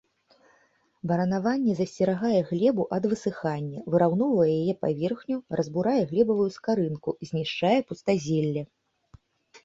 Баранаванне засцерагае глебу ад высыхання, выраўноўвае яе паверхню, разбурае глебавую скарынку, знішчае пустазелле.